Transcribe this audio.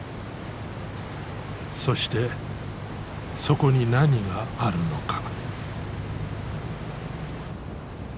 そしてそこに何があるのか。